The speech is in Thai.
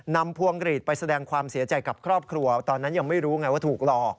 พวงกรีดไปแสดงความเสียใจกับครอบครัวตอนนั้นยังไม่รู้ไงว่าถูกหลอก